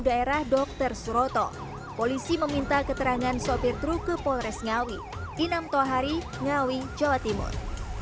daerah dokter seroto polisi meminta keterangan sopir truk ke polres ngawi inham tuhari ngawi jawa timur